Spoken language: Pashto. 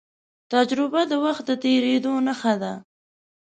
تجربه د وخت د تېرېدو نښه ده.